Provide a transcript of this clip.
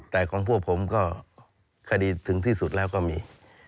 แต่ของพวกผมก็คดีถึงที่สุดแล้วก็มี